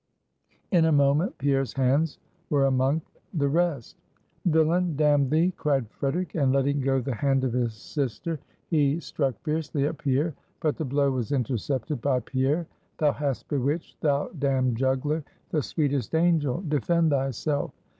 In a moment, Pierre's hands were among the rest. "Villain! Damn thee!" cried Frederic; and letting go the hand of his sister, he struck fiercely at Pierre. But the blow was intercepted by Pierre. "Thou hast bewitched, thou damned juggler, the sweetest angel! Defend thyself!"